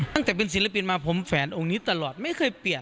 ตั้งแต่เป็นศิลปินมาผมแฝนองค์นี้ตลอดไม่เคยเปลี่ยน